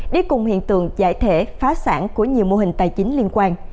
đi cùng hiện tượng giải thể phá sản của nhiều mô hình tài chính liên quan